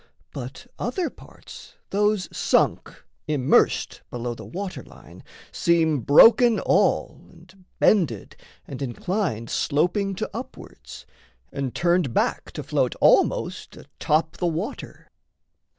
But other parts, Those sunk, immersed below the water line, Seem broken all and bended and inclined Sloping to upwards, and turned back to float Almost atop the water.